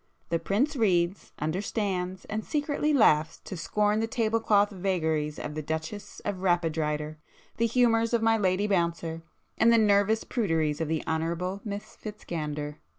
The Prince reads, understands, and secretly laughs to scorn the table cloth vagaries of the Duchess of Rapidryder, the humours of my Lady Bouncer and the nervous pruderies of the Honourable Miss Fitz Gander.